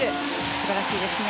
素晴らしいですね。